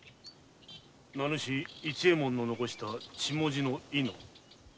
名主の市右衛門が残した血文字の「いの」。